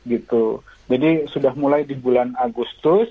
jadi sudah mulai di bulan agustus